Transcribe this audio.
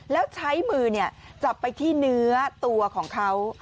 แล้วใช้มือจับไปที่เนื้อตัวของเขา